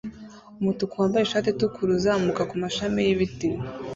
Umutuku wambaye ishati itukura uzamuka kumashami yibiti